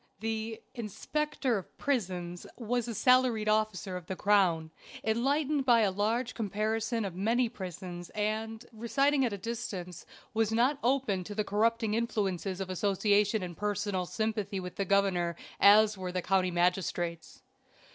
The "Inspector of Prisons" was a salaried officer of the crown, enlightened by a large comparison of many prisons, and, residing at a distance, was not open to the corrupting influences of association and personal sympathy with the governor, as were the county magistrates.